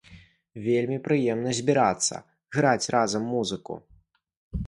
Вельмі прыемна збірацца, граць разам музыку!